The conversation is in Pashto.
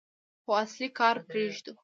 خو اصلي کار پرېږدو.